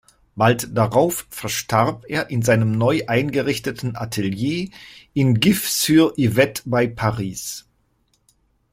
Bald darauf verstarb er in seinem neu eingerichteten Atelier in Gif-sur-Yvette bei Paris.